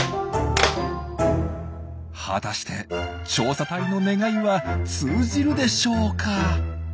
果たして調査隊の願いは通じるでしょうか？